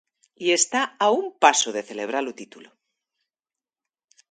E está a un paso de celebrar o título.